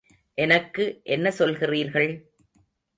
எனக்கு என்ன சொல்கிறீர்கள்?